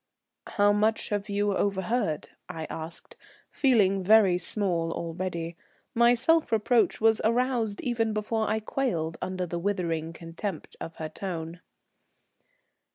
"How much have you overheard?" I asked, feeling very small already. My self reproach was aroused even before I quailed under the withering contempt of her tone.